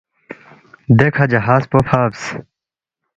دیکھہ جہاز پو فبس